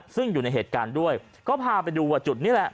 ซึ่งอยู่ในเหตุการณ์ด้วยก็พาไปดูว่าจุดนี้แหละ